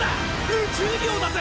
宇宙漁だぜ！